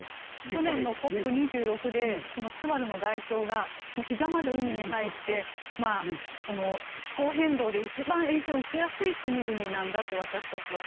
去年のＣＯＰ２６でツバルの外相がひざまで海に入って気候変動で一番影響を受けやすい国々なんだと私たちは。